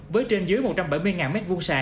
với trên dưới một trăm bảy mươi m hai